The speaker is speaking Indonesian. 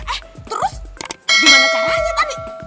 eh terus gimana caranya tadi